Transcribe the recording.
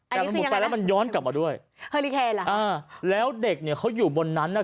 แต่มันหลุดไปแล้วมันย้อนกลับมาด้วยเฮลิเคเหรออ่าแล้วเด็กเนี่ยเขาอยู่บนนั้นน่ะ